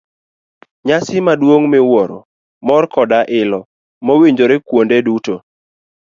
Nyasi maduong' miwuoro, mor koda ilo nowinjore kuonde duto.